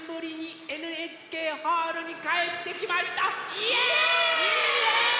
イエーイ！